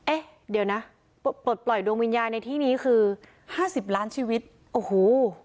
เอ๊ะเดี๋ยวนะปลดปล่อยดวงวิญญาณในที่นี้คือห้าสิบล้านชีวิตโอ้โห